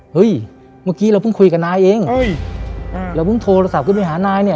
เฮ้ยเมื่อกี้เราเพิ่งคุยกับนายเองเราเพิ่งโทรศัพท์ขึ้นไปหานายเนี่ย